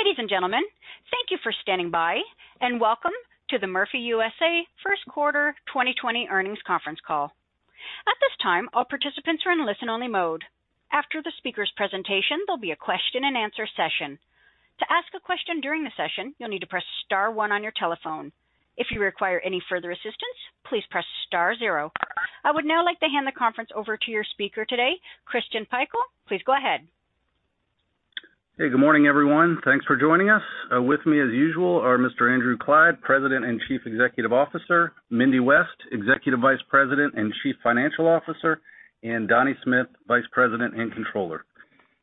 Ladies and gentlemen, thank you for standing by, and welcome to the Murphy USA First Quarter 2020 Earnings Conference Call. At this time, all participants are in listen-only mode. After the speaker's presentation, there'll be a question-and-answer session. To ask a question during the session, you'll need to press star one on your telephone. If you require any further assistance, please press star zero. I would now like to hand the conference over to your speaker today, Christian Pikul. Please go ahead. Hey, good morning, everyone. Thanks for joining us. With me, as usual, are Mr. Andrew Clyde, President and Chief Executive Officer, Mindy West, Executive Vice President and Chief Financial Officer, and Donnie Smith, Vice President and Controller.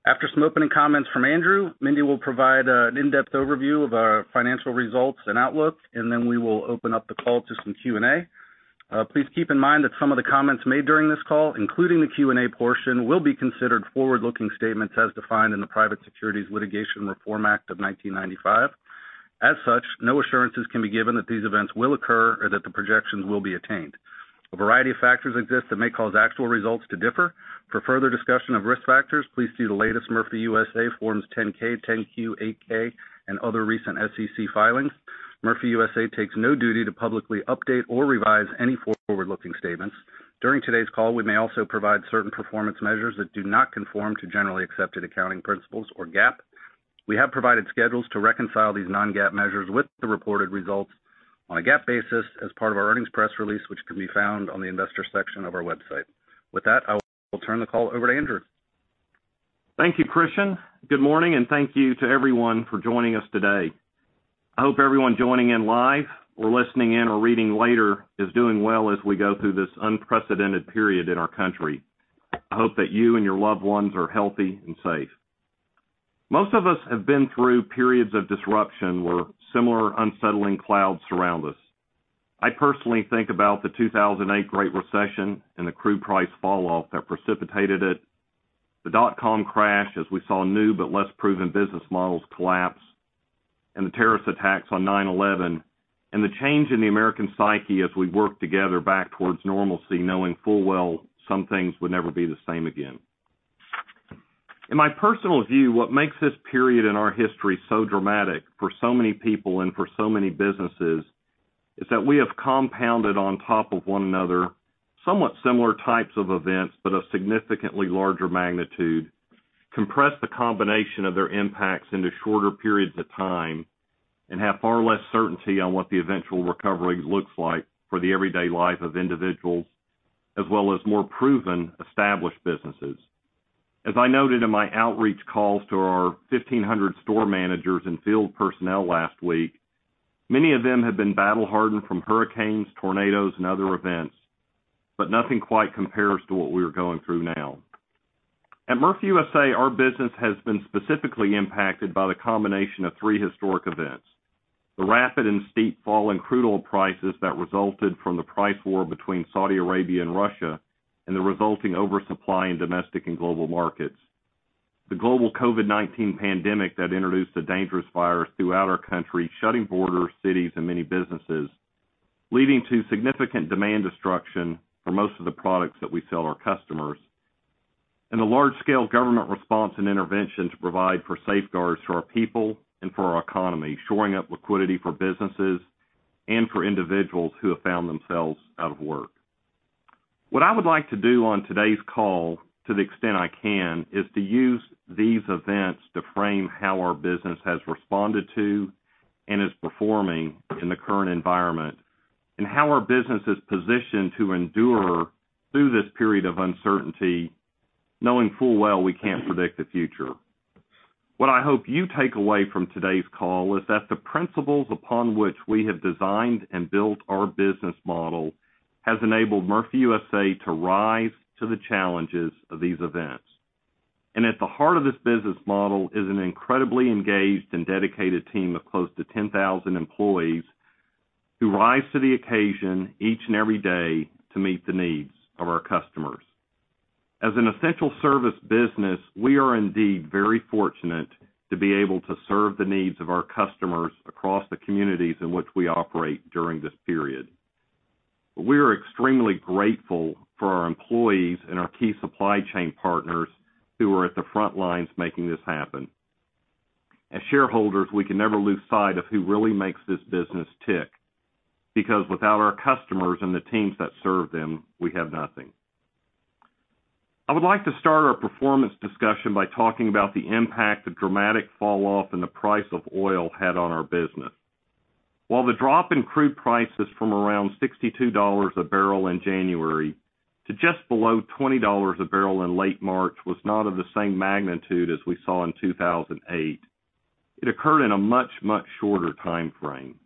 After some opening comments from Andrew, Mindy will provide an in-depth overview of our financial results and outlook, and then we will open up the call to some Q&A. Please keep in mind that some of the comments made during this call, including the Q&A portion, will be considered forward-looking statements as defined in the Private Securities Litigation Reform Act of 1995. As such, no assurances can be given that these events will occur or that the projections will be attained. A variety of factors exist that may cause actual results to differ. For further discussion of risk factors, please see the latest Murphy USA Forms 10-K, 10-Q, 8-K, and other recent SEC filings. Murphy USA takes no duty to publicly update or revise any forward-looking statements. During today's call, we may also provide certain performance measures that do not conform to generally accepted accounting principles or GAAP. We have provided schedules to reconcile these non-GAAP measures with the reported results on a GAAP basis as part of our earnings press release, which can be found on the investor section of our website. With that, I will turn the call over to Andrew. Thank you, Christian. Good morning, and thank you to everyone for joining us today. I hope everyone joining in live or listening in or reading later is doing well as we go through this unprecedented period in our country. I hope that you and your loved ones are healthy and safe. Most of us have been through periods of disruption where similar unsettling clouds surround us. I personally think about the 2008 Great Recession and the crude price falloff that precipitated it, the dot-com crash as we saw new but less proven business models collapse, and the terrorist attacks on 9/11, and the change in the American psyche as we worked together back towards normalcy, knowing full well some things would never be the same again. In my personal view, what makes this period in our history so dramatic for so many people and for so many businesses is that we have compounded on top of one another somewhat similar types of events but of significantly larger magnitude, compressed the combination of their impacts into shorter periods of time, and have far less certainty on what the eventual recovery looks like for the everyday life of individuals as well as more proven, established businesses. As I noted in my outreach calls to our 1,500 store managers and field personnel last week, many of them have been battle-hardened from hurricanes, tornadoes, and other events, but nothing quite compares to what we are going through now. At Murphy USA, our business has been specifically impacted by the combination of three historic events: the rapid and steep fall in crude oil prices that resulted from the price war between Saudi Arabia and Russia, and the resulting oversupply in domestic and global markets, the global COVID-19 pandemic that introduced a dangerous virus throughout our country, shutting borders, cities, and many businesses, leading to significant demand destruction for most of the products that we sell our customers, and the large-scale government response and intervention to provide for safeguards for our people and for our economy, shoring up liquidity for businesses and for individuals who have found themselves out of work. What I would like to do on today's call, to the extent I can, is to use these events to frame how our business has responded to and is performing in the current environment, and how our business is positioned to endure through this period of uncertainty, knowing full well we can't predict the future. What I hope you take away from today's call is that the principles upon which we have designed and built our business model have enabled Murphy USA to rise to the challenges of these events. And at the heart of this business model is an incredibly engaged and dedicated team of close to 10,000 employees who rise to the occasion each and every day to meet the needs of our customers. As an essential service business, we are indeed very fortunate to be able to serve the needs of our customers across the communities in which we operate during this period. We are extremely grateful for our employees and our key supply chain partners who are at the front lines making this happen. As shareholders, we can never lose sight of who really makes this business tick, because without our customers and the teams that serve them, we have nothing. I would like to start our performance discussion by talking about the impact of dramatic falloff in the price of oil had on our business. While the drop in crude prices from around $62 a barrel in January to just below $20 a barrel in late March was not of the same magnitude as we saw in 2008, it occurred in a much, much shorter time frame.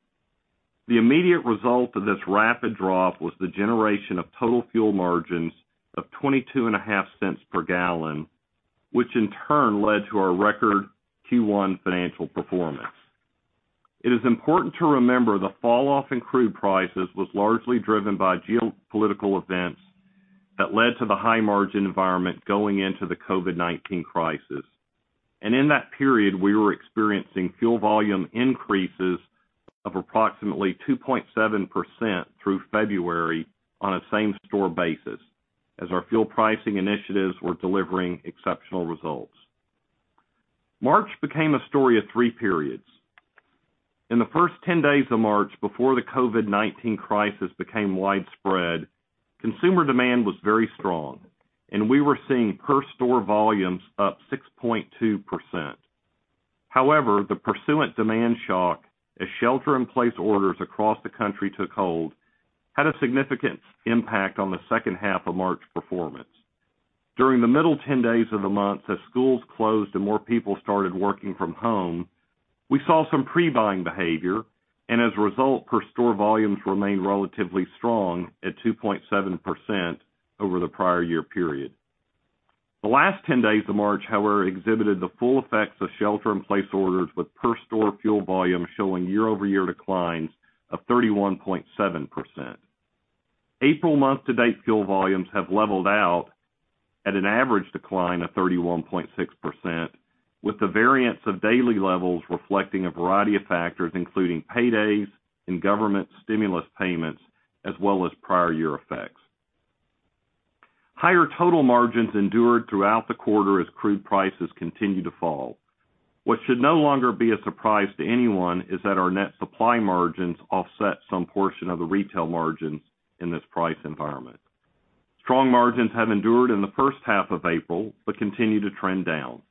The immediate result of this rapid drop was the generation of total fuel margins of $0.225 per gallon, which in turn led to our record Q1 financial performance. It is important to remember the falloff in crude prices was largely driven by geopolitical events that led to the high-margin environment going into the COVID-19 crisis. And in that period, we were experiencing fuel volume increases of approximately 2.7% through February on a same-store basis as our fuel pricing initiatives were delivering exceptional results. March became a story of three periods. In the first 10 days of March, before the COVID-19 crisis became widespread, consumer demand was very strong, and we were seeing per-store volumes up 6.2%. However, the pursuant demand shock as shelter-in-place orders across the country took hold had a significant impact on the second half of March performance. During the middle 10 days of the month, as schools closed and more people started working from home, we saw some pre-buying behavior, and as a result, per-store volumes remained relatively strong at 2.7% over the prior year period. The last 10 days of March, however, exhibited the full effects of shelter-in-place orders, with per-store fuel volumes showing year-over-year declines of 31.7%. April month-to-date fuel volumes have leveled out at an average decline of 31.6%, with the variance of daily levels reflecting a variety of factors, including paydays and government stimulus payments, as well as prior-year effects. Higher total margins endured throughout the quarter as crude prices continue to fall. What should no longer be a surprise to anyone is that our net supply margins offset some portion of the retail margins in this price environment. Strong margins have endured in the first half of April but continue to trend down.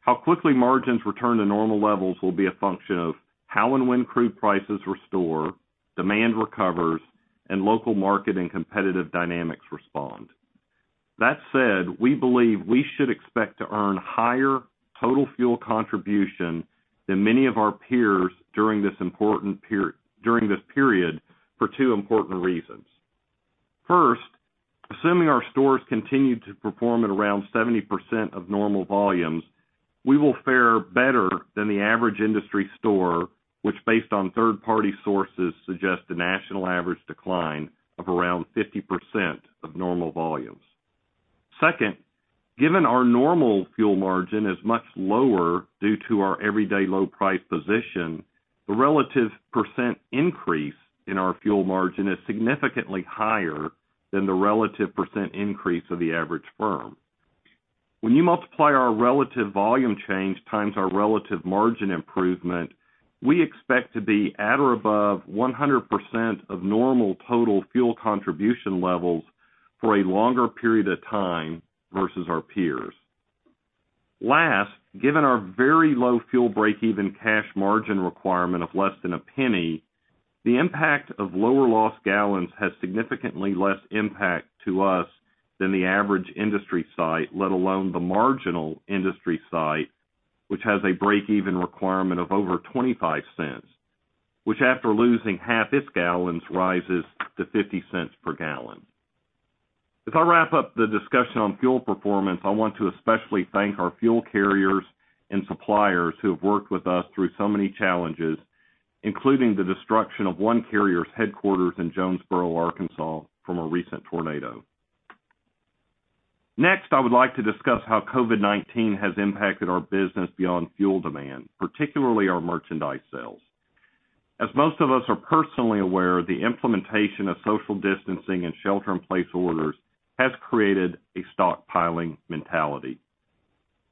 How quickly margins return to normal levels will be a function of how and when crude prices restore, demand recovers, and local market and competitive dynamics respond. That said, we believe we should expect to earn higher total fuel contribution than many of our peers during this period for two important reasons. First, assuming our stores continue to perform at around 70% of normal volumes, we will fare better than the average industry store, which, based on third-party sources, suggests a national average decline of around 50% of normal volumes. Second, given our normal fuel margin is much lower due to our everyday low-price position, the relative percent increase in our fuel margin is significantly higher than the relative percent increase of the average firm. When you multiply our relative volume change times our relative margin improvement, we expect to be at or above 100% of normal total fuel contribution levels for a longer period of time versus our peers. Last, given our very low fuel break-even cash margin requirement of less than a penny, the impact of lower-loss gallons has significantly less impact to us than the average industry site, let alone the marginal industry site, which has a break-even requirement of over 25 cents, which, after losing half its gallons, rises to 50 cents per gallon. As I wrap up the discussion on fuel performance, I want to especially thank our fuel carriers and suppliers who have worked with us through so many challenges, including the destruction of one carrier's headquarters in Jonesboro, Arkansas, from a recent tornado. Next, I would like to discuss how COVID-19 has impacted our business beyond fuel demand, particularly our merchandise sales. As most of us are personally aware, the implementation of social distancing and shelter-in-place orders has created a stockpiling mentality.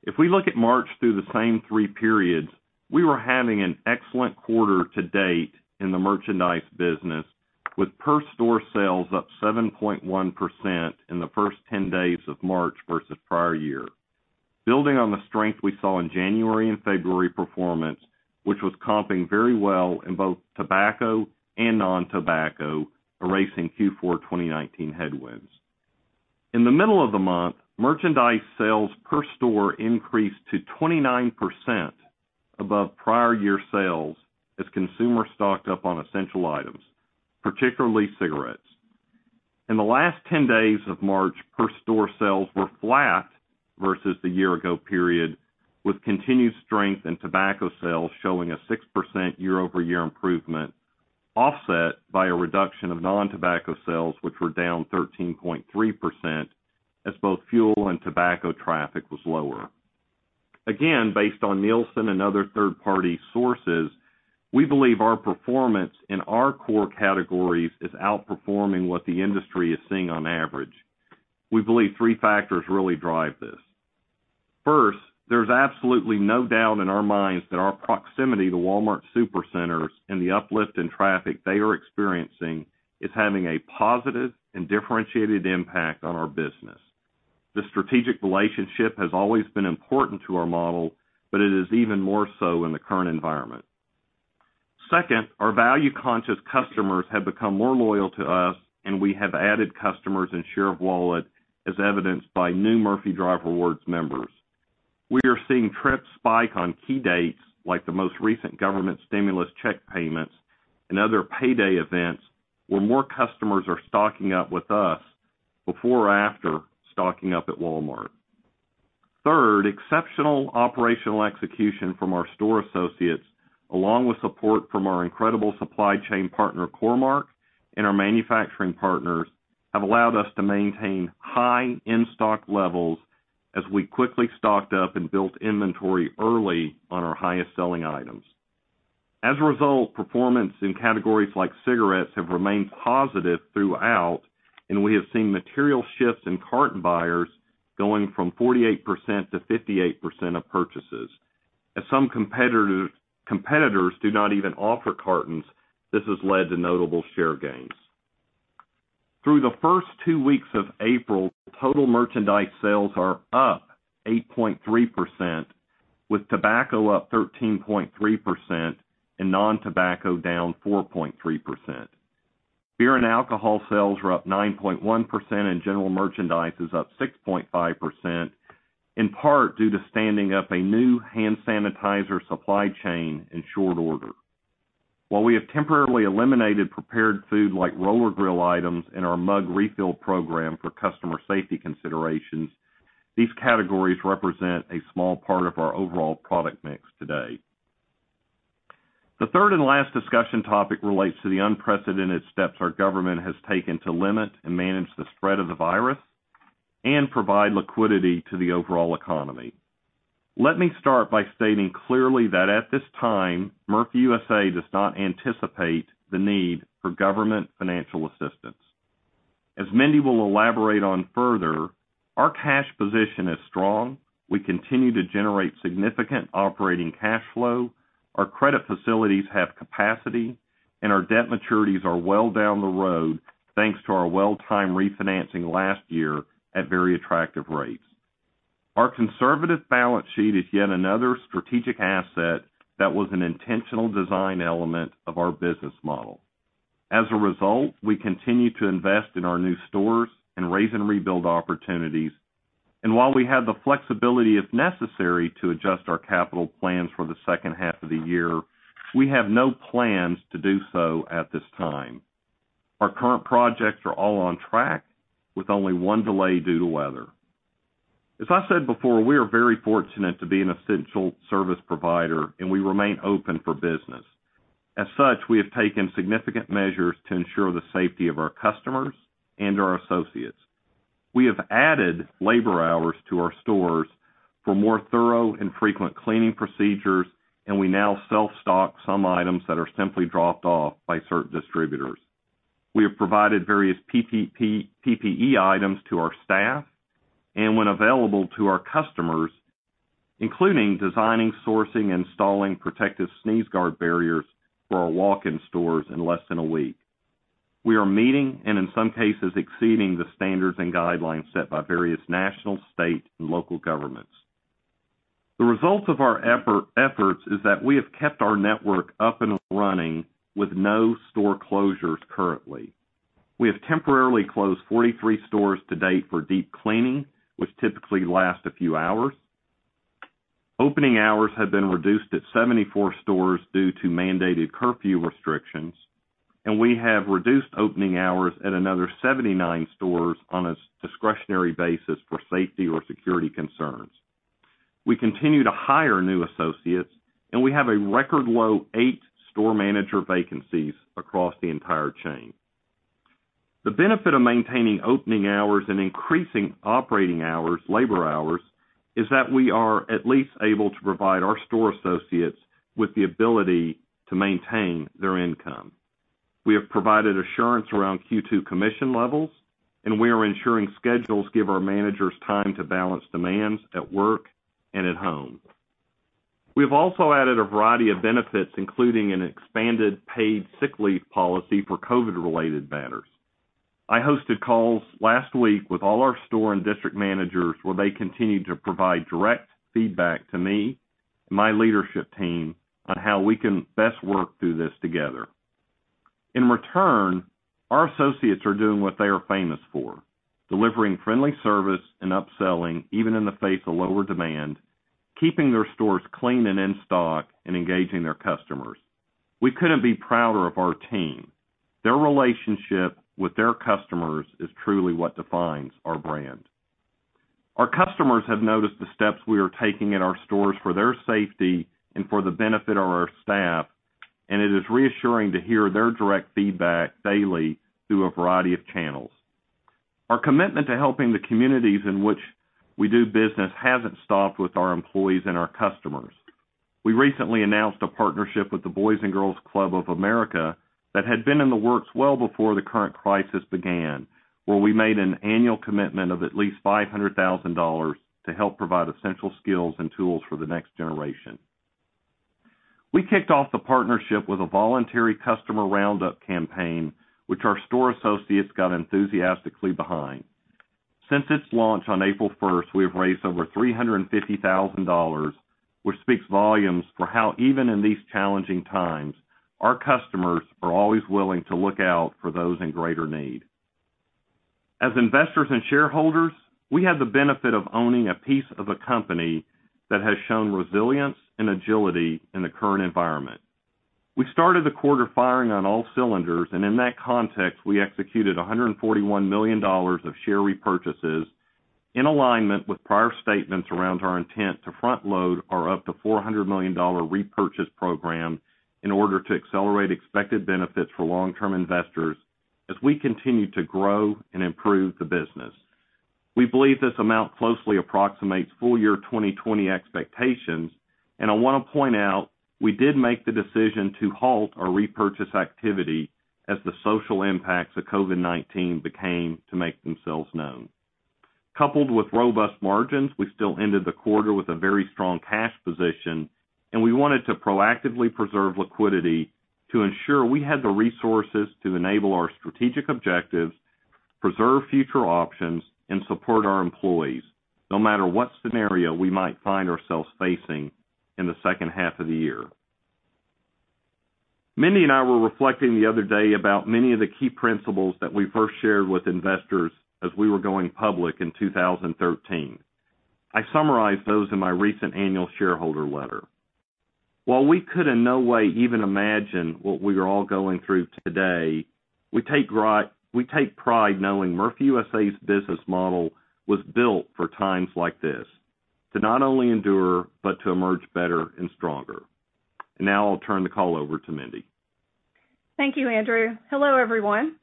If we look at March through the same three periods, we were having an excellent quarter to date in the merchandise business, with per-store sales up 7.1% in the first 10 days of March versus prior year, building on the strength we saw in January and February performance, which was comping very well in both tobacco and non-tobacco, erasing Q4 2019 headwinds. In the middle of the month, merchandise sales per store increased to 29% above prior-year sales as consumers stocked up on essential items, particularly cigarettes. In the last 10 days of March, per-store sales were flat versus the year-ago period, with continued strength in tobacco sales showing a 6% year-over-year improvement, offset by a reduction of non-tobacco sales, which were down 13.3%, as both fuel and tobacco traffic was lower. Again, based on Nielsen and other third-party sources, we believe our performance in our core categories is outperforming what the industry is seeing on average. We believe three factors really drive this. First, there is absolutely no doubt in our minds that our proximity to Walmart Supercenters and the uplift in traffic they are experiencing is having a positive and differentiated impact on our business. The strategic relationship has always been important to our model, but it is even more so in the current environment. Second, our value-conscious customers have become more loyal to us, and we have added customers and share of wallet, as evidenced by new Murphy Drive Rewards members. We are seeing trips spike on key dates, like the most recent government stimulus check payments and other payday events, where more customers are stocking up with us before or after stocking up at Walmart. Third, exceptional operational execution from our store associates, along with support from our incredible supply chain partner, Core-Mark, and our manufacturing partners, have allowed us to maintain high in-stock levels as we quickly stocked up and built inventory early on our highest-selling items. As a result, performance in categories like cigarettes has remained positive throughout, and we have seen material shifts in carton buyers going from 48%-58% of purchases. As some competitors do not even offer cartons, this has led to notable share gains. Through the first two weeks of April, total merchandise sales are up 8.3%, with tobacco up 13.3% and non-tobacco down 4.3%. Beer and alcohol sales are up 9.1%, and general merchandise is up 6.5%, in part due to standing up a new hand sanitizer supply chain in short order. While we have temporarily eliminated prepared food like roller grill items and our mug refill program for customer safety considerations, these categories represent a small part of our overall product mix today. The third and last discussion topic relates to the unprecedented steps our government has taken to limit and manage the spread of the virus and provide liquidity to the overall economy. Let me start by stating clearly that at this time, Murphy USA does not anticipate the need for government financial assistance. As Mindy will elaborate on further, our cash position is strong. We continue to generate significant operating cash flow. Our credit facilities have capacity, and our debt maturities are well down the road, thanks to our well-timed refinancing last year at very attractive rates. Our conservative balance sheet is yet another strategic asset that was an intentional design element of our business model. As a result, we continue to invest in our new stores and raze-and-rebuild opportunities. And while we have the flexibility, if necessary, to adjust our capital plans for the second half of the year, we have no plans to do so at this time. Our current projects are all on track, with only one delay due to weather. As I said before, we are very fortunate to be an essential service provider, and we remain open for business. As such, we have taken significant measures to ensure the safety of our customers and our associates. We have added labor hours to our stores for more thorough and frequent cleaning procedures, and we now self-stock some items that are simply dropped off by certain distributors. We have provided various PPE items to our staff and, when available, to our customers, including designing, sourcing, and installing protective sneeze guard barriers for our walk-in stores in less than a week. We are meeting and, in some cases, exceeding the standards and guidelines set by various national, state, and local governments. The result of our efforts is that we have kept our network up and running with no store closures currently. We have temporarily closed 43 stores to date for deep cleaning, which typically lasts a few hours. Opening hours have been reduced at 74 stores due to mandated curfew restrictions, and we have reduced opening hours at another 79 stores on a discretionary basis for safety or security concerns. We continue to hire new associates, and we have a record low eight store manager vacancies across the entire chain. The benefit of maintaining opening hours and increasing operating hours, labor hours, is that we are at least able to provide our store associates with the ability to maintain their income. We have provided assurance around Q2 commission levels, and we are ensuring schedules give our managers time to balance demands at work and at home. We have also added a variety of benefits, including an expanded paid sick leave policy for COVID-related matters. I hosted calls last week with all our store and district managers, where they continued to provide direct feedback to me and my leadership team on how we can best work through this together. In return, our associates are doing what they are famous for: delivering friendly service and upselling, even in the face of lower demand, keeping their stores clean and in stock, and engaging their customers. We couldn't be prouder of our team. Their relationship with their customers is truly what defines our brand. Our customers have noticed the steps we are taking at our stores for their safety and for the benefit of our staff, and it is reassuring to hear their direct feedback daily through a variety of channels. Our commitment to helping the communities in which we do business hasn't stopped with our employees and our customers. We recently announced a partnership with the Boys & Girls Clubs of America that had been in the works well before the current crisis began, where we made an annual commitment of at least $500,000 to help provide essential skills and tools for the next generation. We kicked off the partnership with a voluntary customer roundup campaign, which our store associates got enthusiastically behind. Since its launch on April 1st, we have raised over $350,000, which speaks volumes for how, even in these challenging times, our customers are always willing to look out for those in greater need. As investors and shareholders, we have the benefit of owning a piece of a company that has shown resilience and agility in the current environment. We started the quarter firing on all cylinders, and in that context, we executed $141 million of share repurchases in alignment with prior statements around our intent to front-load our up to $400 million repurchase program in order to accelerate expected benefits for long-term investors as we continue to grow and improve the business. We believe this amount closely approximates full-year 2020 expectations, and I want to point out we did make the decision to halt our repurchase activity as the social impacts of COVID-19 began to make themselves known. Coupled with robust margins, we still ended the quarter with a very strong cash position, and we wanted to proactively preserve liquidity to ensure we had the resources to enable our strategic objectives, preserve future options, and support our employees, no matter what scenario we might find ourselves facing in the second half of the year. Mindy and I were reflecting the other day about many of the key principles that we first shared with investors as we were going public in 2013. I summarized those in my recent annual shareholder letter. While we could in no way even imagine what we are all going through today, we take pride knowing Murphy USA's business model was built for times like this: to not only endure, but to emerge better and stronger. And now I'll turn the call over to Mindy. Thank you, Andrew. Hello, everyone.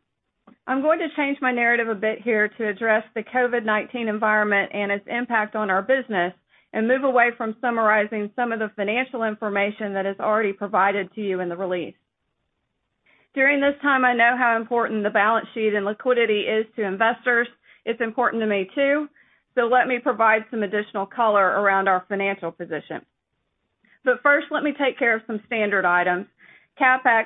I'm going to change my narrative a bit here to address the COVID-19 environment and its impact on our business and move away from summarizing some of the financial information that is already provided to you in the release. During this time, I know how important the balance sheet and liquidity is to investors. It's important to me, too. So let me provide some additional color around our financial position. But first, let me take care of some standard items. CapEx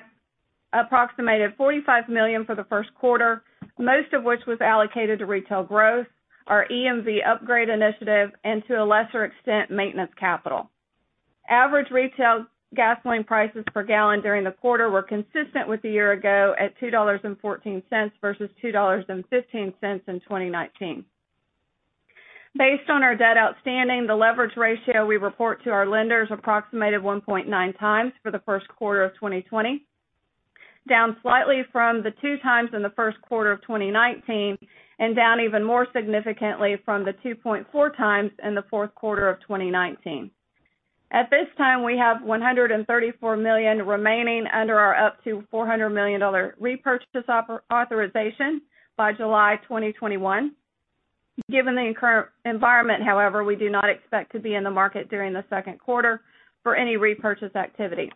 approximated $45 million for the first quarter, most of which was allocated to retail growth, our EMV upgrade initiative, and, to a lesser extent, maintenance capital. Average retail gasoline prices per gallon during the quarter were consistent with the year ago at $2.14 versus $2.15 in 2019. Based on our debt outstanding, the leverage ratio we report to our lenders approximated 1.9x for the first quarter of 2020, down slightly from the 2x in the first quarter of 2019 and down even more significantly from the 2.4x in the fourth quarter of 2019. At this time, we have $134 million remaining under our up-to-$400 million repurchase authorization by July 2021. Given the current environment, however, we do not expect to be in the market during the second quarter for any repurchase activity.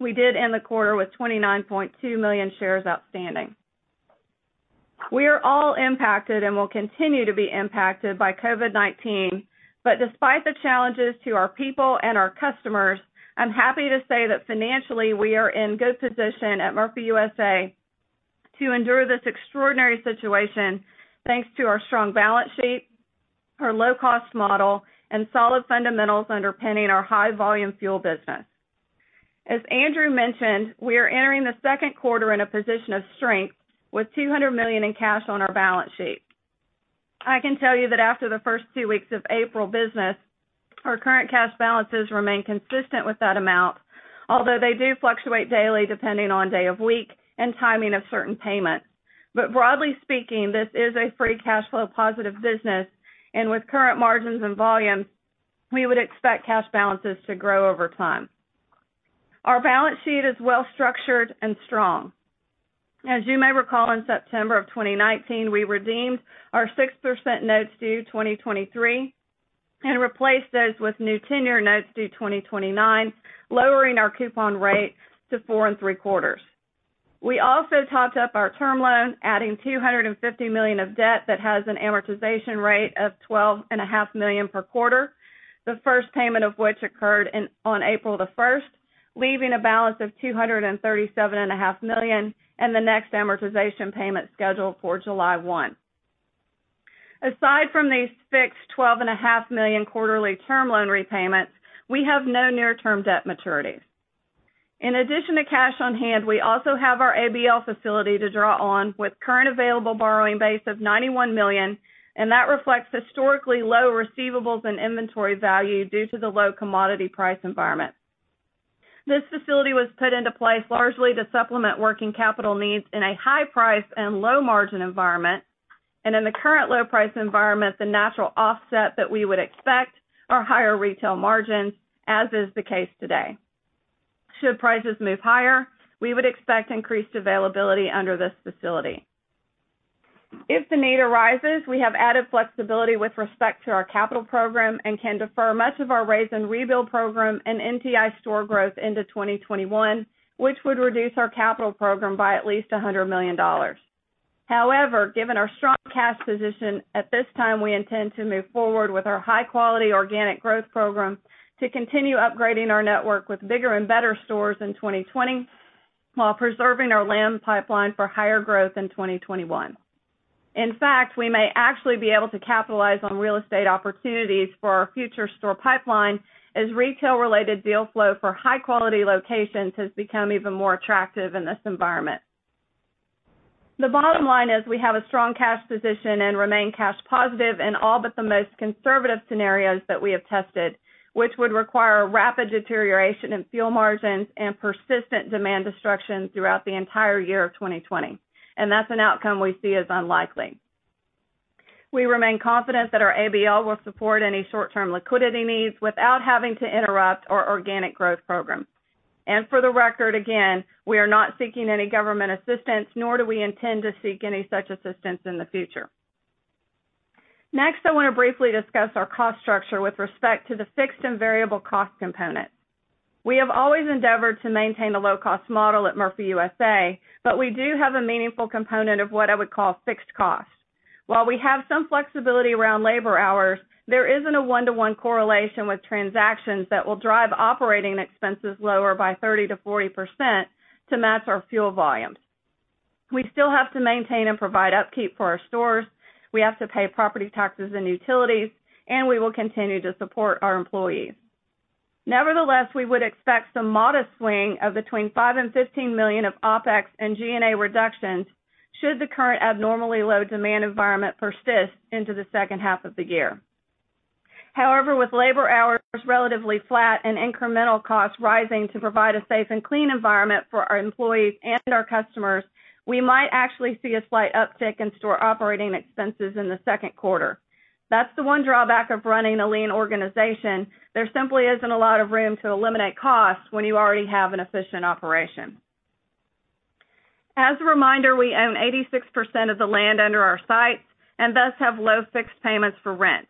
We did end the quarter with 29.2 million shares outstanding. We are all impacted and will continue to be impacted by COVID-19, but despite the challenges to our people and our customers, I'm happy to say that financially we are in good position at Murphy USA to endure this extraordinary situation, thanks to our strong balance sheet, our low-cost model, and solid fundamentals underpinning our high-volume fuel business. As Andrew mentioned, we are entering the second quarter in a position of strength with $200 million in cash on our balance sheet. I can tell you that after the first two weeks of April business, our current cash balances remain consistent with that amount, although they do fluctuate daily depending on day of week and timing of certain payments. But broadly speaking, this is a free cash flow positive business, and with current margins and volumes, we would expect cash balances to grow over time. Our balance sheet is well-structured and strong. As you may recall, in September of 2019, we redeemed our 6% notes due 2023 and replaced those with new 10-year notes due 2029, lowering our coupon rate to 4.75%. We also topped up our term loan, adding $250 million of debt that has an amortization rate of $12.5 million per quarter, the first payment of which occurred on April the 1st, leaving a balance of $237.5 million and the next amortization payment scheduled for July 1. Aside from these fixed $12.5 million quarterly term loan repayments, we have no near-term debt maturities. In addition to cash on hand, we also have our ABL facility to draw on with current available borrowing base of $91 million, and that reflects historically low receivables and inventory value due to the low commodity price environment. This facility was put into place largely to supplement working capital needs in a high-price and low-margin environment, and in the current low-price environment, the natural offset that we would expect are higher retail margins, as is the case today. Should prices move higher, we would expect increased availability under this facility. If the need arises, we have added flexibility with respect to our capital program and can defer much of our Raise and Rebuild program and NTI store growth into 2021, which would reduce our capital program by at least $100 million. However, given our strong cash position, at this time, we intend to move forward with our high-quality organic growth program to continue upgrading our network with bigger and better stores in 2020 while preserving our land pipeline for higher growth in 2021. In fact, we may actually be able to capitalize on real estate opportunities for our future store pipeline as retail-related deal flow for high-quality locations has become even more attractive in this environment. The bottom line is we have a strong cash position and remain cash positive in all but the most conservative scenarios that we have tested, which would require rapid deterioration in fuel margins and persistent demand destruction throughout the entire year of 2020, and that's an outcome we see as unlikely. We remain confident that our ABL will support any short-term liquidity needs without having to interrupt our organic growth program. For the record, again, we are not seeking any government assistance, nor do we intend to seek any such assistance in the future. Next, I want to briefly discuss our cost structure with respect to the fixed and variable cost component. We have always endeavored to maintain a low-cost model at Murphy USA, but we do have a meaningful component of what I would call fixed cost. While we have some flexibility around labor hours, there isn't a one-to-one correlation with transactions that will drive operating expenses lower by 30%-40% to match our fuel volumes. We still have to maintain and provide upkeep for our stores. We have to pay property taxes and utilities, and we will continue to support our employees. Nevertheless, we would expect some modest swing of between $5-$15 million of OPEX and G&A reductions should the current abnormally low demand environment persist into the second half of the year. However, with labor hours relatively flat and incremental costs rising to provide a safe and clean environment for our employees and our customers, we might actually see a slight uptick in store operating expenses in the second quarter. That's the one drawback of running a lean organization. There simply isn't a lot of room to eliminate costs when you already have an efficient operation. As a reminder, we own 86% of the land under our sites and thus have low fixed payments for rent.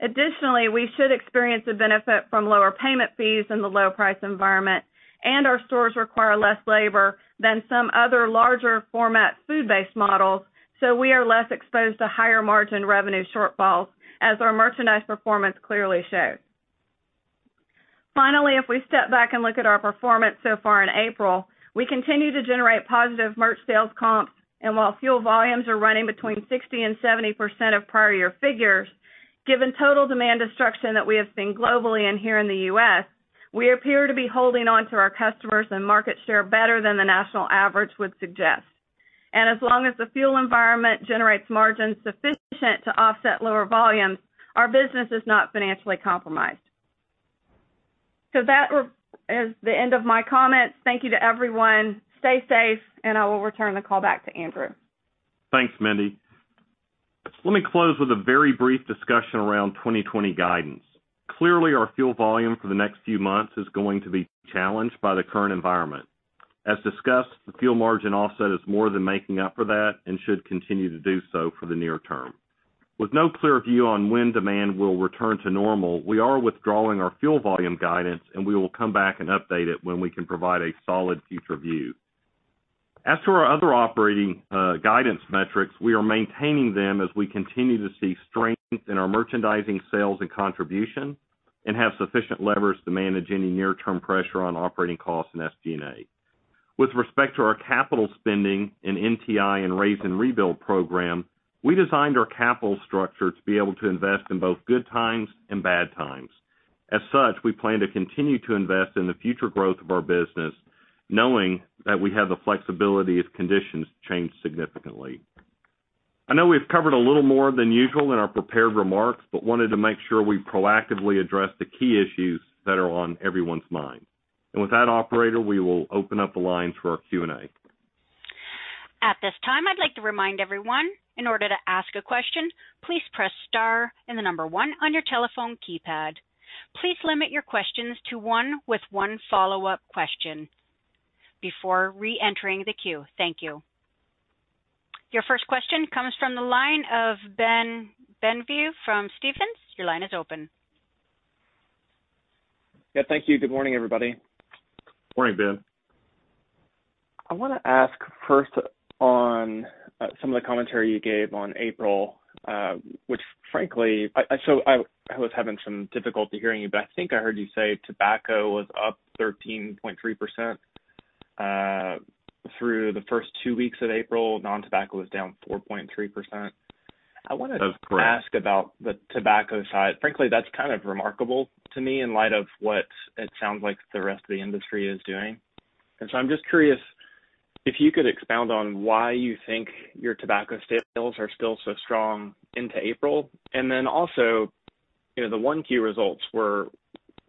Additionally, we should experience a benefit from lower payment fees in the low-price environment, and our stores require less labor than some other larger format food-based models, so we are less exposed to higher margin revenue shortfalls, as our merchandise performance clearly shows. Finally, if we step back and look at our performance so far in April, we continue to generate positive merch sales comps, and while fuel volumes are running between 60% and 70% of prior-year figures, given total demand destruction that we have seen globally and here in the U.S., we appear to be holding on to our customers and market share better than the national average would suggest. And as long as the fuel environment generates margins sufficient to offset lower volumes, our business is not financially compromised. So that is the end of my comments. Thank you to everyone. Stay safe, and I will return the call back to Andrew. Thanks, Mindy. Let me close with a very brief discussion around 2020 guidance. Clearly, our fuel volume for the next few months is going to be challenged by the current environment. As discussed, the fuel margin offset is more than making up for that and should continue to do so for the near term. With no clear view on when demand will return to normal, we are withdrawing our fuel volume guidance, and we will come back and update it when we can provide a solid future view. As for our other operating guidance metrics, we are maintaining them as we continue to see strength in our merchandising sales and contribution and have sufficient levers to manage any near-term pressure on operating costs and SG&A. With respect to our capital spending and NTI and Raise and Rebuild program, we designed our capital structure to be able to invest in both good times and bad times. As such, we plan to continue to invest in the future growth of our business, knowing that we have the flexibility if conditions change significantly. I know we've covered a little more than usual in our prepared remarks, but wanted to make sure we proactively address the key issues that are on everyone's mind. And with that, Operator, we will open up the lines for our Q&A. At this time, I'd like to remind everyone, in order to ask a question, please press star and the number one on your telephone keypad. Please limit your questions to one with one follow-up question before re-entering the queue. Thank you. Your first question comes from the line of Ben Bienvenu from Stephens. Your line is open. Yeah, thank you. Good morning, everybody. Morning, Ben. I want to ask first on some of the commentary you gave on April, which, frankly, I was having some difficulty hearing you, but I think I heard you say tobacco was up 13.3% through the first two weeks of April. Non-tobacco was down 4.3%. I wanted to ask about the tobacco side. Frankly, that's kind of remarkable to me in light of what it sounds like the rest of the industry is doing. And so I'm just curious if you could expound on why you think your tobacco sales are still so strong into April. And then also, the 1Q results were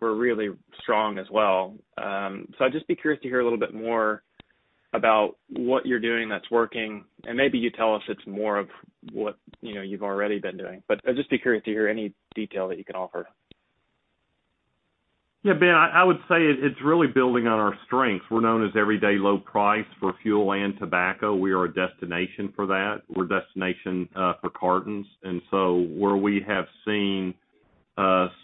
really strong as well. So I'd just be curious to hear a little bit more about what you're doing that's working, and maybe you tell us it's more of what you've already been doing. I'd just be curious to hear any detail that you can offer. Yeah, Ben, I would say it's really building on our strengths. We're known as everyday low price for fuel and tobacco. We are a destination for that. We're a destination for cartons. And so where we have seen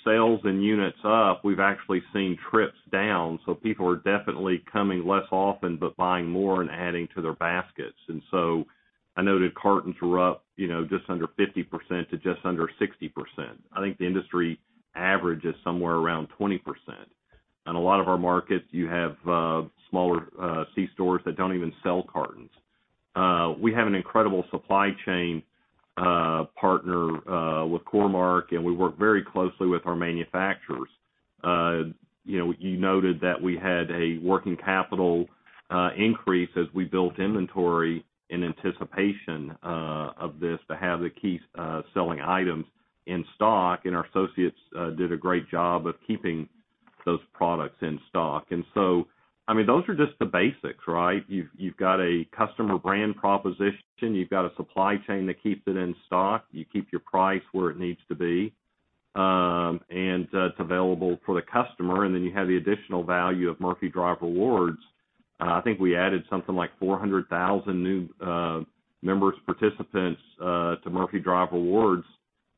sales and units up, we've actually seen trips down. So people are definitely coming less often, but buying more and adding to their baskets. And so I noted cartons were up just under 50% to just under 60%. I think the industry average is somewhere around 20%. On a lot of our markets, you have smaller C stores that don't even sell cartons. We have an incredible supply chain partner with Core-Mark, and we work very closely with our manufacturers. You noted that we had a working capital increase as we built inventory in anticipation of this to have the key selling items in stock, and our associates did a great job of keeping those products in stock. And so, I mean, those are just the basics, right? You've got a customer brand proposition. You've got a supply chain that keeps it in stock. You keep your price where it needs to be, and it's available for the customer. And then you have the additional value of Murphy Drive Rewards. I think we added something like 400,000 new members, participants to Murphy Drive Rewards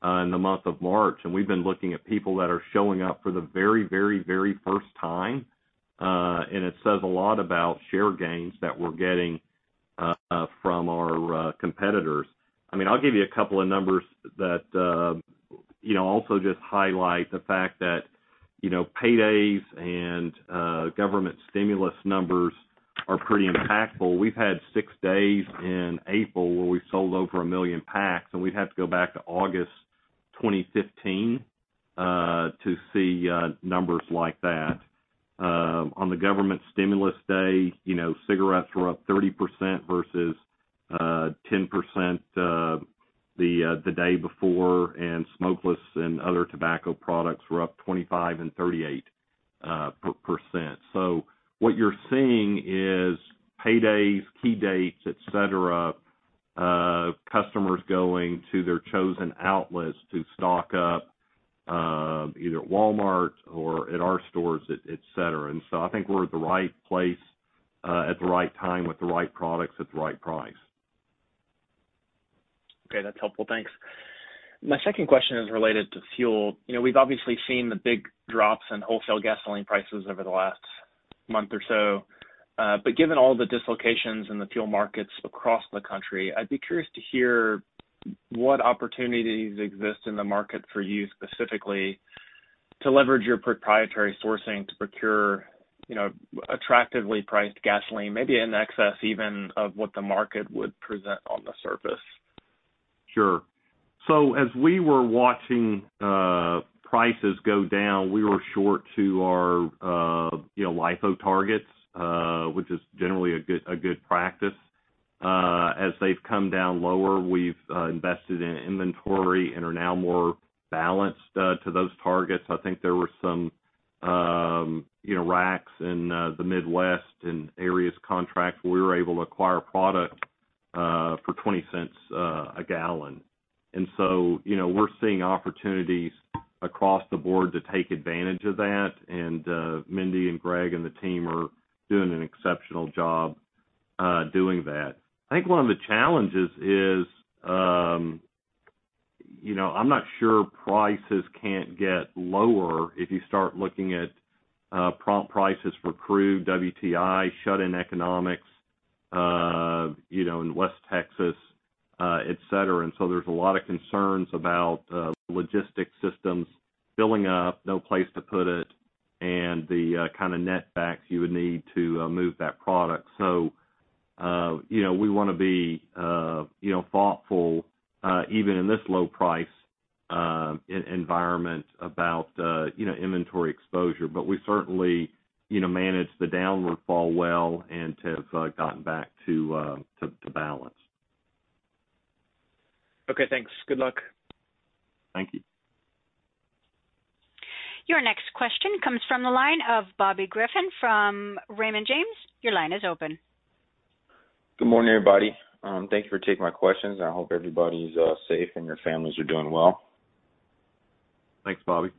in the month of March. And we've been looking at people that are showing up for the very, very, very first time, and it says a lot about share gains that we're getting from our competitors. I mean, I'll give you a couple of numbers that also just highlight the fact that paydays and government stimulus numbers are pretty impactful. We've had six days in April where we've sold over a million packs, and we'd have to go back to August 2015 to see numbers like that. On the government stimulus day, cigarettes were up 30% versus 10% the day before, and smokeless and other tobacco products were up 25% and 38%. So what you're seeing is paydays, key dates, etc., customers going to their chosen outlets to stock up, either at Walmart or at our stores, etc. And so I think we're at the right place at the right time with the right products at the right price. Okay, that's helpful. Thanks. My second question is related to fuel. We've obviously seen the big drops in wholesale gasoline prices over the last month or so. But given all the dislocations in the fuel markets across the country, I'd be curious to hear what opportunities exist in the market for you specifically to leverage your proprietary sourcing to procure attractively priced gasoline, maybe in excess even of what the market would present on the surface? Sure. So as we were watching prices go down, we were short to our LIFO targets, which is generally a good practice. As they've come down lower, we've invested in inventory and are now more balanced to those targets. I think there were some racks in the Midwest and areas contract where we were able to acquire product for $0.20 a gallon. And so we're seeing opportunities across the board to take advantage of that. Mindy and Greg and the team are doing an exceptional job doing that. I think one of the challenges is I'm not sure prices can't get lower if you start looking at prompt prices for crude, WTI, shut-in economics in West Texas, etc. So there's a lot of concerns about logistics systems filling up, no place to put it, and the kind of netback you would need to move that product. We want to be thoughtful, even in this low-price environment, about inventory exposure. But we certainly manage the downward fall well and have gotten back to balance. Okay, thanks. Good luck. Thank you. Your next question comes from the line of Bobby Griffin from Raymond James. Your line is open. Good morning, everybody. Thank you for taking my questions. I hope everybody's safe and your families are doing well. Thanks, Bobby.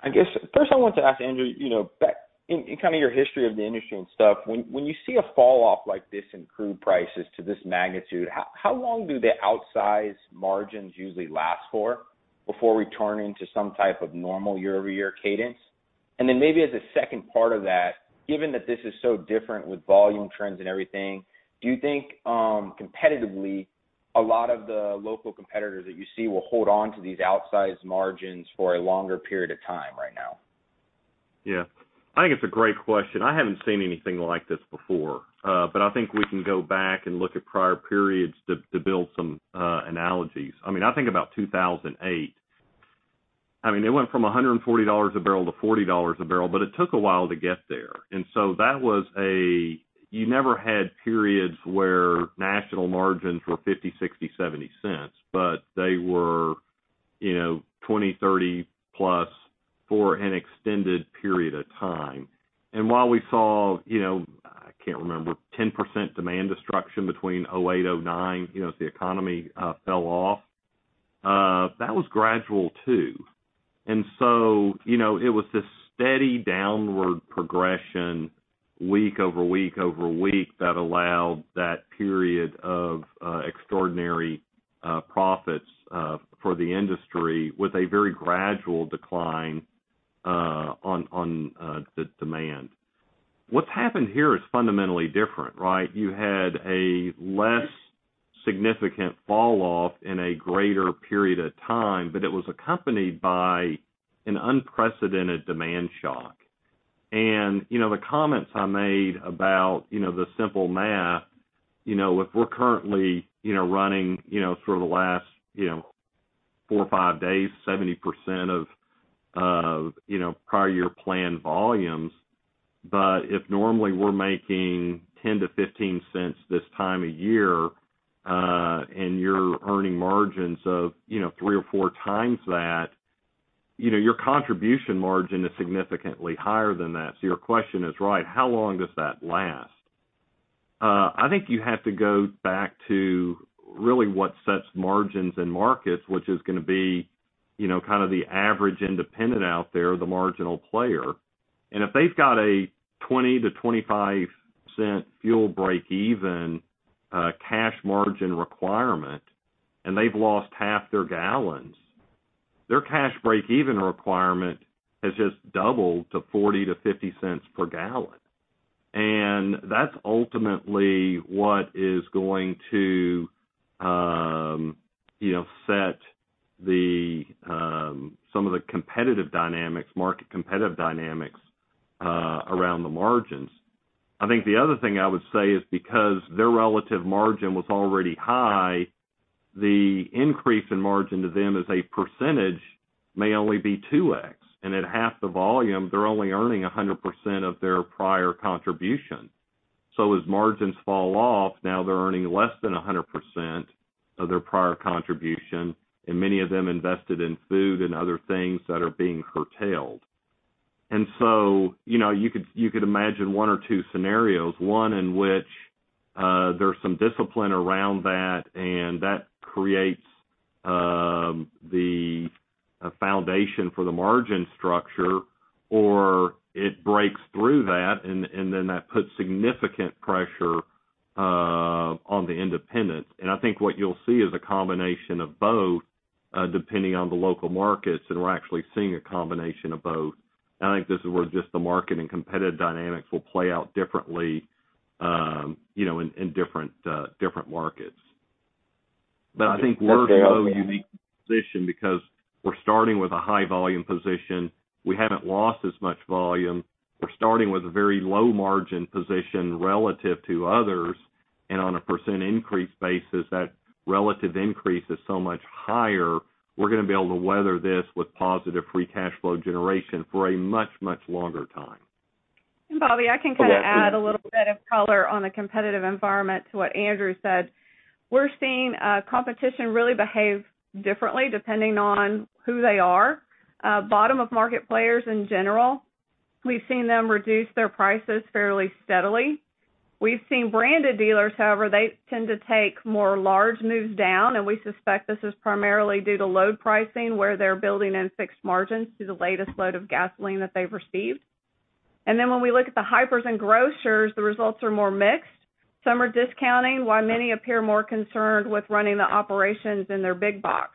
I guess first I want to ask Andrew, in kind of your history of the industry and stuff, when you see a falloff like this in crude prices to this magnitude, how long do the outsize margins usually last for before returning to some type of normal year-over-year cadence? And then maybe as a second part of that, given that this is so different with volume trends and everything, do you think competitively a lot of the local competitors that you see will hold on to these outsized margins for a longer period of time right now? Yeah. I think it's a great question. I haven't seen anything like this before, but I think we can go back and look at prior periods to build some analogies. I mean, I think about 2008. I mean, it went from $140 a barrel to $40 a barrel, but it took a while to get there. And so that was. You never had periods where national margins were $0.50, $0.60, $0.70, but they were $0.20, $0.30 plus for an extended period of time. And while we saw, I can't remember, 10% demand destruction between 2008, 2009 as the economy fell off, that was gradual too. And so it was this steady downward progression week over week over week that allowed that period of extraordinary profits for the industry with a very gradual decline on the demand. What's happened here is fundamentally different, right? You had a less significant falloff in a greater period of time, but it was accompanied by an unprecedented demand shock. And the comments I made about the simple math, if we're currently running for the last four or five days, 70% of prior-year planned volumes, but if normally we're making $0.10-$0.15 this time of year and you're earning margins of three or four times that, your contribution margin is significantly higher than that. So your question is, right, how long does that last? I think you have to go back to really what sets margins and markets, which is going to be kind of the average independent out there, the marginal player. And if they've got a $0.20-$0.25 fuel break-even cash margin requirement and they've lost half their gallons, their cash break-even requirement has just doubled to $0.40-$0.50 per gallon. And that's ultimately what is going to set some of the competitive dynamics, market competitive dynamics around the margins. I think the other thing I would say is because their relative margin was already high, the increase in margin to them as a percentage may only be 2X. And at half the volume, they're only earning 100% of their prior contribution. So as margins fall off, now they're earning less than 100% of their prior contribution, and many of them invested in food and other things that are being curtailed. And so you could imagine one or two scenarios, one in which there's some discipline around that, and that creates the foundation for the margin structure, or it breaks through that, and then that puts significant pressure on the independents. And I think what you'll see is a combination of both, depending on the local markets, and we're actually seeing a combination of both. I think this is where just the market and competitive dynamics will play out differently in different markets. But I think we're in a low-unit position because we're starting with a high-volume position. We haven't lost as much volume. We're starting with a very low-margin position relative to others. And on a percent increase basis, that relative increase is so much higher, we're going to be able to weather this with positive free cash flow generation for a much, much longer time. And Bobby, I can kind of add a little bit of color on the competitive environment to what Andrew said. We're seeing competition really behave differently depending on who they are. Bottom-of-market players in general, we've seen them reduce their prices fairly steadily. We've seen branded dealers, however, they tend to take more large moves down, and we suspect this is primarily due to load pricing where they're building in fixed margins to the latest load of gasoline that they've received. And then when we look at the hypers and grocers, the results are more mixed. Some are discounting, while many appear more concerned with running the operations in their big box.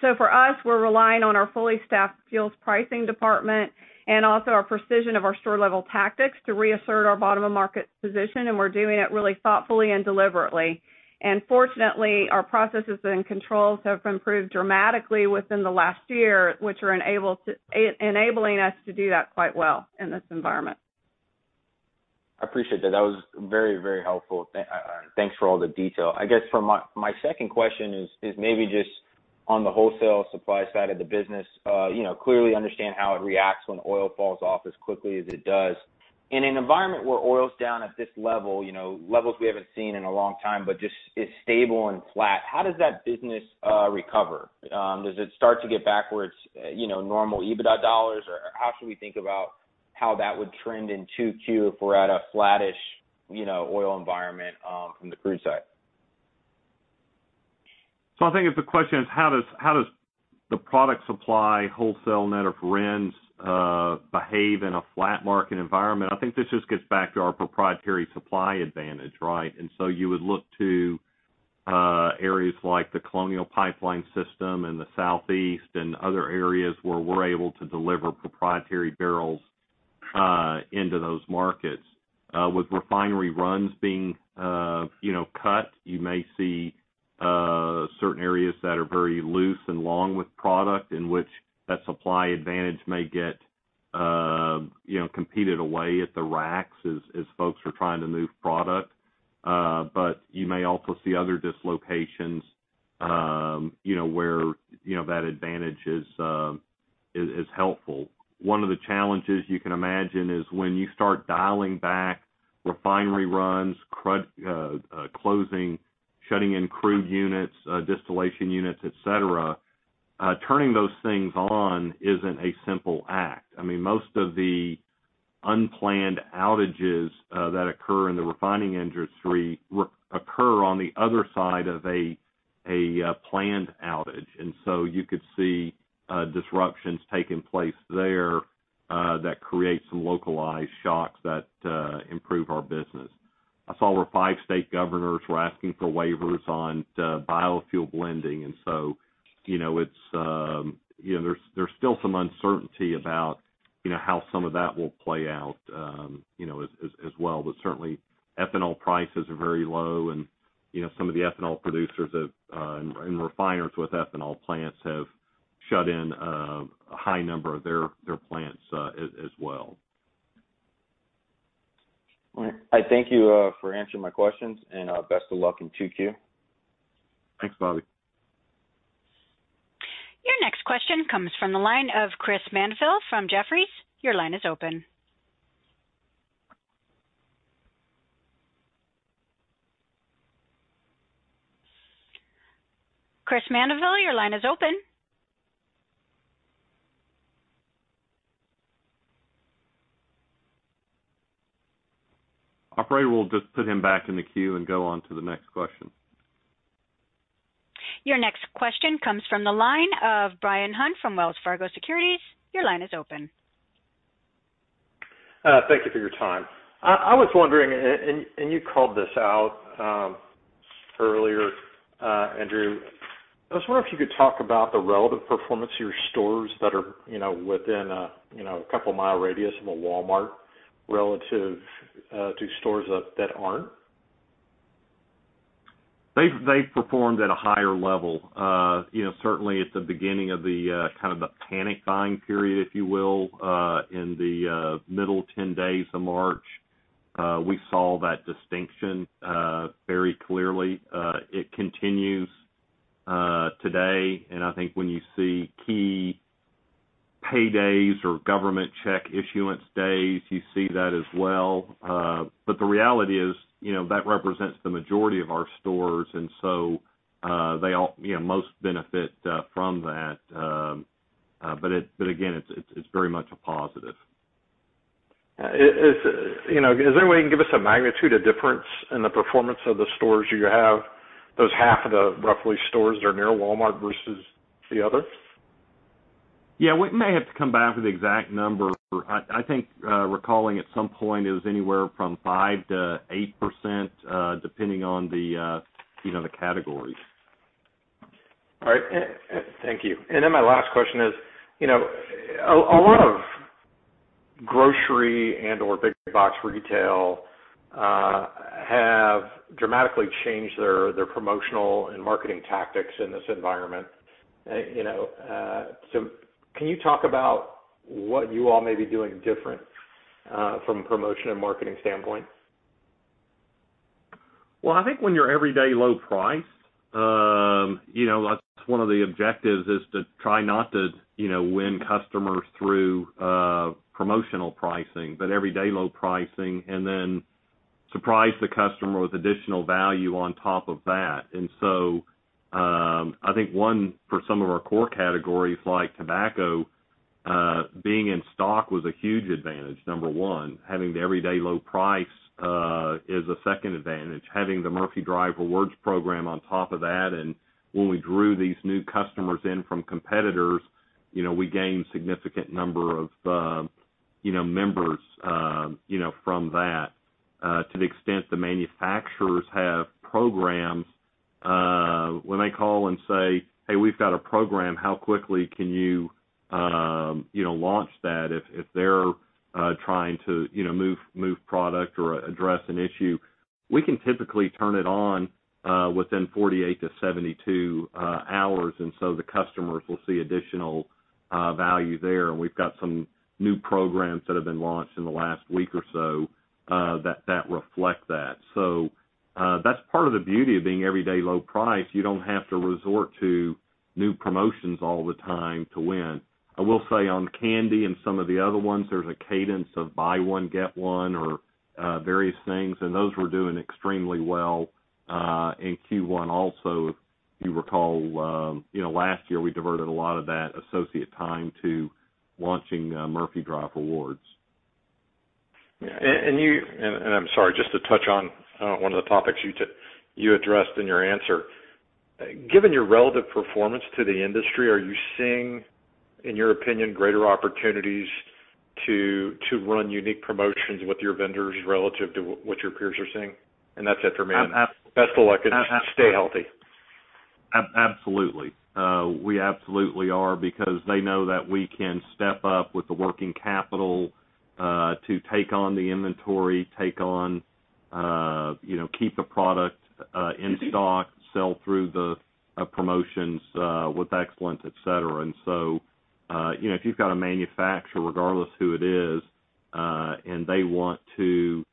So for us, we're relying on our fully staffed fuel pricing department and also our precision of our store-level tactics to reassert our bottom-of-market position, and we're doing it really thoughtfully and deliberately. And fortunately, our processes and controls have improved dramatically within the last year, which are enabling us to do that quite well in this environment. I appreciate that. That was very, very helpful. Thanks for all the detail. I guess my second question is maybe just on the wholesale supply side of the business. Clearly understand how it reacts when oil falls off as quickly as it does. In an environment where oil's down at this level, levels we haven't seen in a long time, but just is stable and flat, how does that business recover? Does it start to get back where it's normal EBITDA dollars, or how should we think about how that would trend in Q2 if we're at a flattish oil environment from the crude side? So I think if the question is, how does the product supply, wholesale net of RINs behave in a flat market environment? I think this just gets back to our proprietary supply advantage, right? And so you would look to areas like the Colonial Pipeline system in the Southeast and other areas where we're able to deliver proprietary barrels into those markets. With refinery runs being cut, you may see certain areas that are very loose and long with product in which that supply advantage may get competed away at the racks as folks are trying to move product. But you may also see other dislocations where that advantage is helpful. One of the challenges you can imagine is when you start dialing back refinery runs, closing, shutting in crude units, distillation units, etc., turning those things on isn't a simple act. I mean, most of the unplanned outages that occur in the refining industry occur on the other side of a planned outage. And so you could see disruptions taking place there that create some localized shocks that improve our business. I saw where five state governors were asking for waivers on biofuel blending, and so there's still some uncertainty about how some of that will play out as well, but certainly, ethanol prices are very low, and some of the ethanol producers and refiners with ethanol plants have shut in a high number of their plants as well. All right. I thank you for answering my questions, and best of luck in Q2. Thanks, Bobby. Your next question comes from the line of Chris Mandeville from Jefferies. Your line is open. Chris Mandeville, your line is open. I'm afraid we'll just put him back in the queue and go on to the next question. Your next question comes from the line of Bryan Hunt from Wells Fargo Securities. Your line is open. Thank you for your time. I was wondering, and you called this out earlier, Andrew. I was wondering if you could talk about the relative performance of your stores that are within a couple-mile radius of a Walmart relative to stores that aren't. They've performed at a higher level. Certainly, at the beginning of the kind of the panic buying period, if you will, in the middle 10 days of March, we saw that distinction very clearly. It continues today. And I think when you see key paydays or government check issuance days, you see that as well. But the reality is that represents the majority of our stores, and so they almost benefit from that. But again, it's very much a positive. Is there a way you can give us a magnitude, a difference in the performance of the stores you have, those half of the roughly stores that are near Walmart versus the other? Yeah. We may have to come back with the exact number. I think recalling at some point it was anywhere from 5%-8% depending on the categories. All right. Thank you. And then my last question is, a lot of grocery and/or big box retail have dramatically changed their promotional and marketing tactics in this environment. So can you talk about what you all may be doing different from a promotion and marketing standpoint? Well, I think when you're everyday low priced, that's one of the objectives is to try not to win customers through promotional pricing, but everyday low pricing and then surprise the customer with additional value on top of that. And so I think one, for some of our core categories like tobacco, being in stock was a huge advantage, number one. Having the everyday low price is a second advantage. Having the Murphy Drive Rewards program on top of that, and when we drew these new customers in from competitors, we gained a significant number of members from that. To the extent the manufacturers have programs, when they call and say, "Hey, we've got a program, how quickly can you launch that?" If they're trying to move product or address an issue, we can typically turn it on within 48-72 hours, and so the customers will see additional value there. And we've got some new programs that have been launched in the last week or so that reflect that. So that's part of the beauty of being everyday low price. You don't have to resort to new promotions all the time to win. I will say on candy and some of the other ones, there's a cadence of buy one, get one or various things, and those were doing extremely well in Q1 also. If you recall, last year we diverted a lot of that associate time to launching Murphy Drive Rewards. And I'm sorry, just to touch on one of the topics you addressed in your answer. Given your relative performance to the industry, are you seeing, in your opinion, greater opportunities to run unique promotions with your vendors relative to what your peers are seeing?, and that's it for me. Best of luck and stay healthy. Absolutely. We absolutely are because they know that we can step up with the working capital to take on the inventory, take on, keep the product in stock, sell through the promotions with excellence, etc. And so if you've got a manufacturer, regardless who it is, and they want to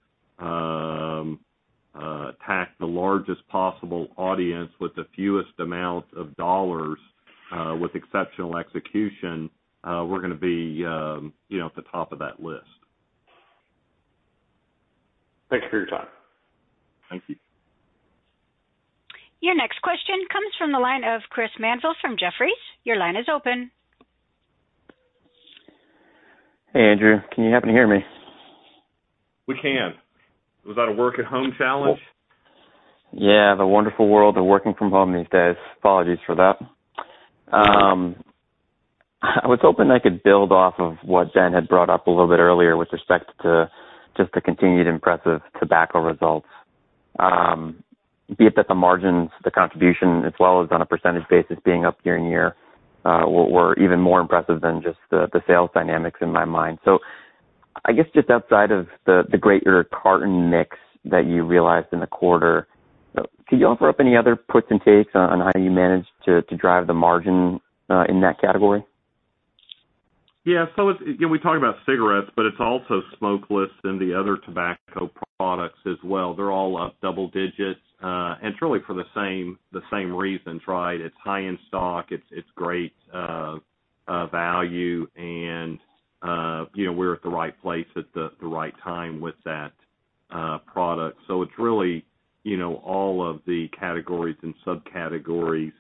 attack the largest possible audience with the fewest amount of dollars with exceptional execution, we're going to be at the top of that list. Thanks for your time. Thank you. Your next question comes from the line of Chris Mandeville from Jefferies. Your line is open. Hey, Andrew. Can you happen to hear me? We can. Was that a work-at-home challenge? Yeah. The wonderful world of working from home these days. Apologies for that. I was hoping I could build off of what Ben had brought up a little bit earlier with respect to just the continued impressive tobacco results, be it that the margins, the contribution, as well as on a percentage basis being up year-on-year, were even more impressive than just the sales dynamics in my mind. So I guess just outside of the great carton mix that you realized in the quarter, could you offer up any other puts and takes on how you managed to drive the margin in that category? Yeah. So we talked about cigarettes, but it's also smokeless and the other tobacco products as well. They're all up double digits, and it's really for the same reasons, right? It's high in stock. It's great value, and we're at the right place at the right time with that product. So it's really all of the categories and subcategories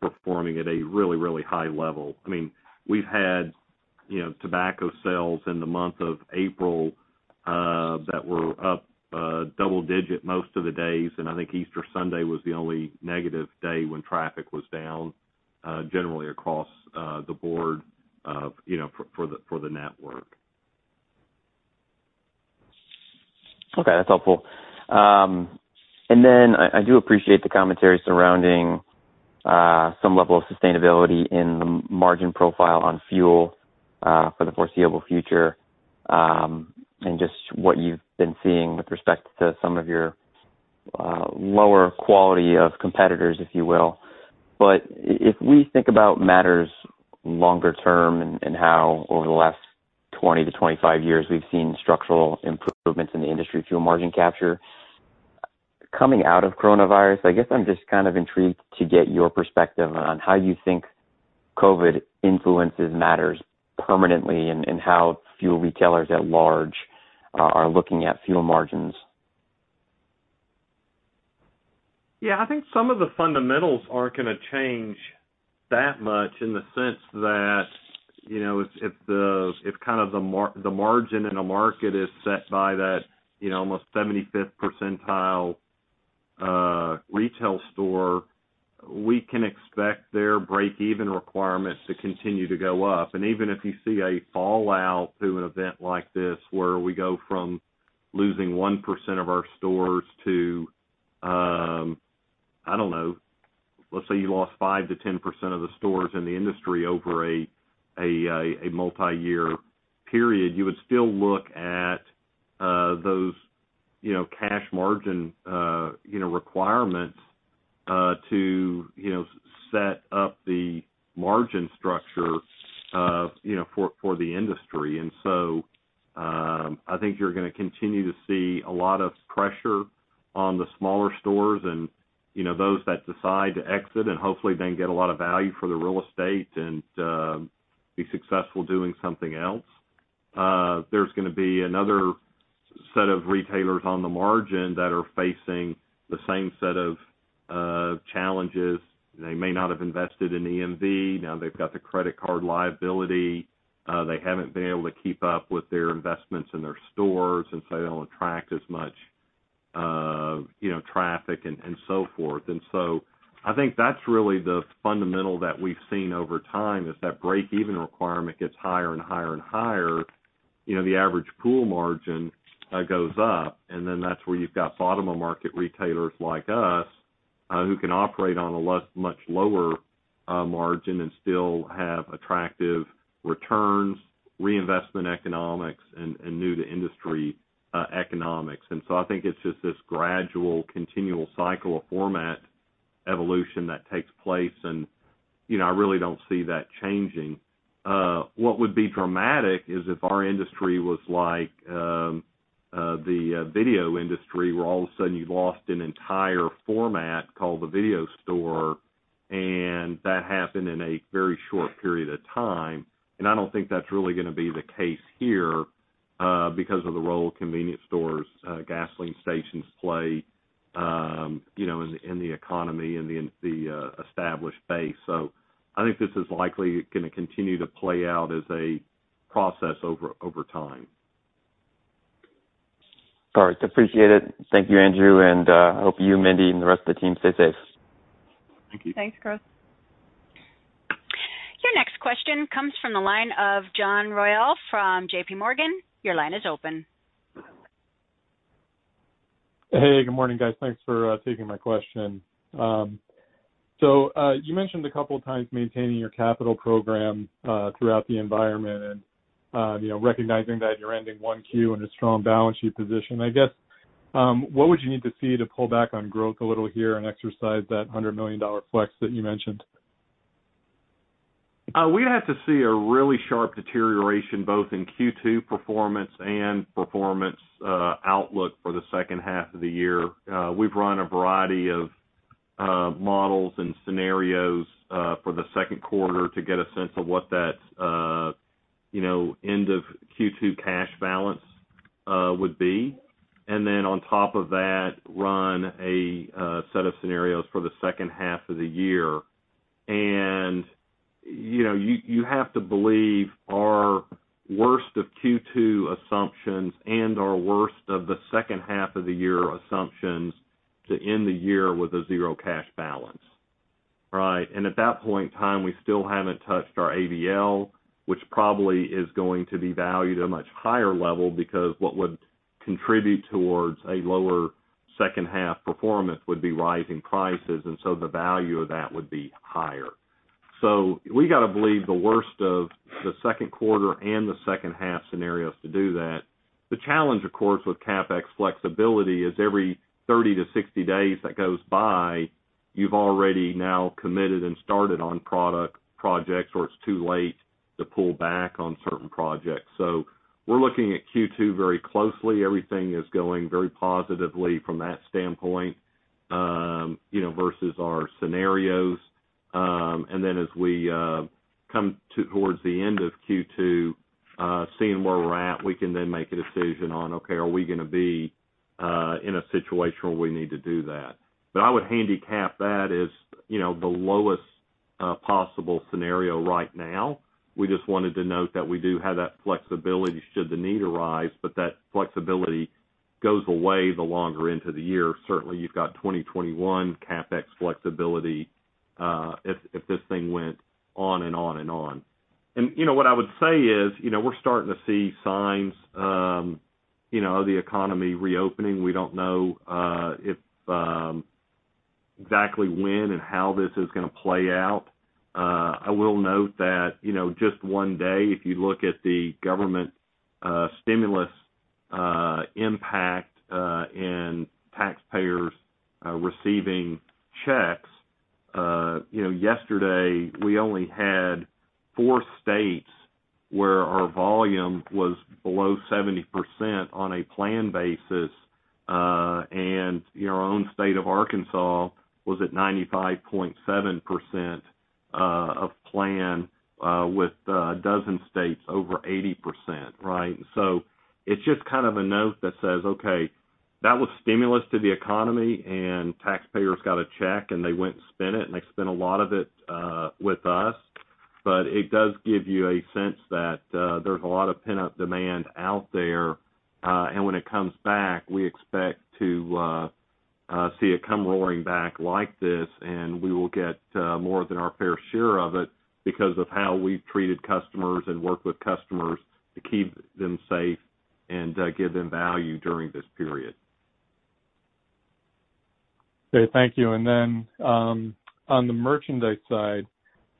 performing at a really, really high level. I mean, we've had tobacco sales in the month of April that were up double digit most of the days, and I think Easter Sunday was the only negative day when traffic was down generally across the board for the network. Okay. That's helpful. And then I do appreciate the commentary surrounding some level of sustainability in the margin profile on fuel for the foreseeable future and just what you've been seeing with respect to some of your lower quality of competitors, if you will. But if we think about matters longer term and how over the last 20-25 years we've seen structural improvements in the industry fuel margin capture coming out of coronavirus, I guess I'm just kind of intrigued to get your perspective on how you think COVID influences matters permanently and how fuel retailers at large are looking at fuel margins. Yeah. I think some of the fundamentals aren't going to change that much in the sense that if kind of the margin in a market is set by that almost 75th percentile retail store, we can expect their break-even requirement to continue to go up. And even if you see a fallout to an event like this where we go from losing 1% of our stores to, I don't know, let's say you lost 5%-10% of the stores in the industry over a multi-year period, you would still look at those cash margin requirements to set up the margin structure for the industry. And so I think you're going to continue to see a lot of pressure on the smaller stores and those that decide to exit and hopefully then get a lot of value for the real estate and be successful doing something else. There's going to be another set of retailers on the margin that are facing the same set of challenges. They may not have invested in EMV. Now they've got the credit card liability. They haven't been able to keep up with their investments in their stores, and so they don't attract as much traffic and so forth. And so I think that's really the fundamental that we've seen over time is that break-even requirement gets higher and higher and higher. The average pool margin goes up, and then that's where you've got bottom-of-market retailers like us who can operate on a much lower margin and still have attractive returns, reinvestment economics, and new-to-industry economics. And so I think it's just this gradual, continual cycle of format evolution that takes place, and I really don't see that changing. What would be dramatic is if our industry was like the video industry where all of a sudden you lost an entire format called the video store, and that happened in a very short period of time. I don't think that's really going to be the case here because of the role convenience stores, gasoline stations play in the economy and the established base. So I think this is likely going to continue to play out as a process over time. All right. Appreciate it. Thank you, Andrew. And I hope you, Mindy, and the rest of the team stay safe. Thank you. Thanks, Chris. Your next question comes from the line of John Royall from JPMorgan. Your line is open. Hey, good morning, guys. Thanks for taking my question. So you mentioned a couple of times maintaining your capital program throughout the environment and recognizing that you're ending Q1 in a strong balance sheet position. I guess what would you need to see to pull back on growth a little here and exercise that $100 million flex that you mentioned? We'd have to see a really sharp deterioration both in Q2 performance and performance outlook for the second half of the year. We've run a variety of models and scenarios for the second quarter to get a sense of what that end-of-Q2 cash balance would be. And then on top of that, run a set of scenarios for the second half of the year. And you have to believe our worst of Q2 assumptions and our worst of the second half of the year assumptions to end the year with a zero cash balance, right? And at that point in time, we still haven't touched our ABL, which probably is going to be valued at a much higher level because what would contribute towards a lower second half performance would be rising prices, and so the value of that would be higher. We got to believe the worst of the second quarter and the second half scenarios to do that. The challenge, of course, with CapEx flexibility is every 30-60 days that goes by, you've already now committed and started on product projects or it's too late to pull back on certain projects. We're looking at Q2 very closely. Everything is going very positively from that standpoint versus our scenarios. As we come towards the end of Q2, seeing where we're at, we can then make a decision on, "Okay, are we going to be in a situation where we need to do that?" I would handicap that as the lowest possible scenario right now. We just wanted to note that we do have that flexibility should the need arise, but that flexibility goes away the longer into the year. Certainly, you've got 2021 CapEx flexibility if this thing went on and on and on. And what I would say is we're starting to see signs of the economy reopening. We don't know exactly when and how this is going to play out. I will note that just one day, if you look at the government stimulus impact and taxpayers receiving checks, yesterday we only had four states where our volume was below 70% on a plan basis, and our own state of Arkansas was at 95.7% of plan with a dozen states over 80%, right? And so it's just kind of a note that says, "Okay, that was stimulus to the economy, and taxpayers got a check, and they went and spent it, and they spent a lot of it with us." But it does give you a sense that there's a lot of pent-up demand out there. And when it comes back, we expect to see it come roaring back like this, and we will get more than our fair share of it because of how we've treated customers and worked with customers to keep them safe and give them value during this period. Okay. Thank you. And then on the merchandise side,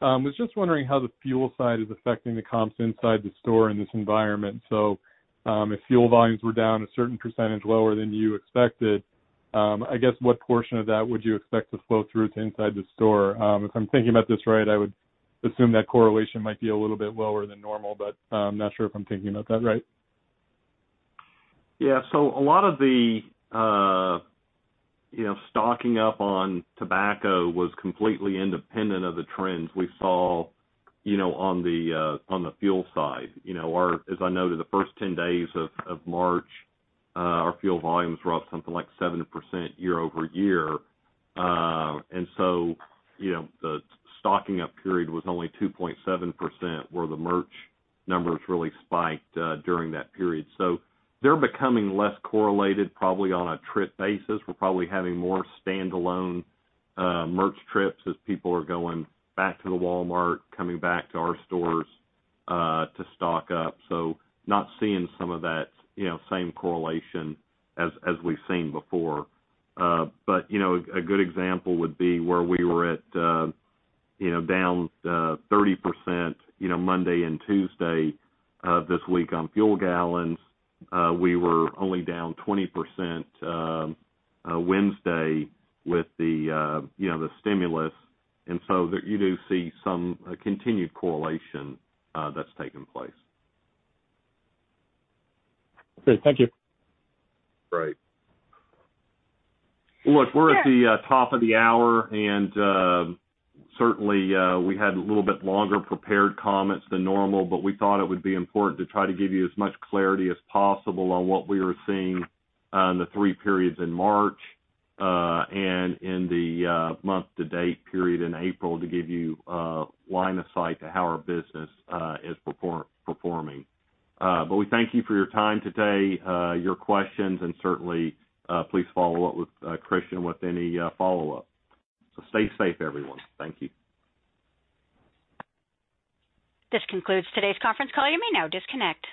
I was just wondering how the fuel side is affecting the comps inside the store in this environment. So if fuel volumes were down a certain percentage lower than you expected, I guess what portion of that would you expect to flow through to inside the store? If I'm thinking about this right, I would assume that correlation might be a little bit lower than normal, but I'm not sure if I'm thinking about that right. Yeah. So a lot of the stocking up on tobacco was completely independent of the trends we saw on the fuel side. As I noted, the first 10 days of March, our fuel volumes were up something like 7% year-over-year. And so the stocking up period was only 2.7% where the merch numbers really spiked during that period. So they're becoming less correlated, probably on a trip basis. We're probably having more standalone merch trips as people are going back to the Walmart, coming back to our stores to stock up. So not seeing some of that same correlation as we've seen before. But a good example would be where we were down 30% Monday and Tuesday this week on fuel gallons. We were only down 20% Wednesday with the stimulus. And so you do see some continued correlation that's taken place. Okay. Thank you. Right. Look, we're at the top of the hour, and certainly we had a little bit longer prepared comments than normal, but we thought it would be important to try to give you as much clarity as possible on what we were seeing in the three periods in March and in the month-to-date period in April to give you line of sight to how our business is performing. We thank you for your time today, your questions, and certainly please follow up with Christian with any follow-up. Stay safe, everyone. Thank you. This concludes today's conference call. You may now disconnect.